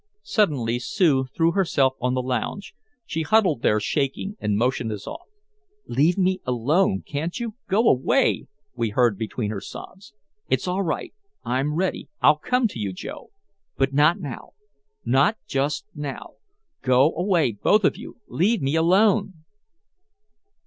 Suddenly Sue threw herself on the lounge. She huddled there shaking and motioned us off. "Leave me alone, can't you, go away!" we heard between her sobs. "It's all right I'm ready I'll come to you, Joe but not now not just now! Go away, both of you leave me alone!"